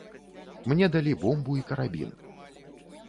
Мне далі бомбу і карабін.